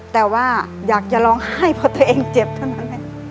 แต่ว่าอยากจะร้องไห้เพราะตัวเองเจ็บเท่านั้นแหละ